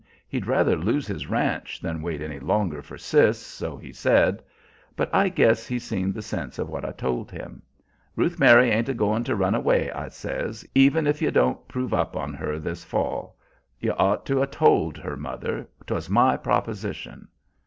He'd rather lose his ranch than wait any longer for Sis, so he said; but I guess he's seen the sense of what I told him. 'Ruth Mary ain't a goin' to run away,' I says, 'even if ye don't prove up on her this fall.' You ought to 'a' told her, mother, 'twas my proposition."